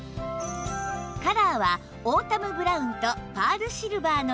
カラーはオータムブラウンとパールシルバーの２色